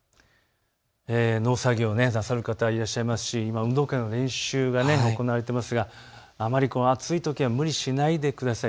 農作業なさる方いらっしゃいますし今、運動会の練習が行われていますがあまり暑いときは無理をしないでください。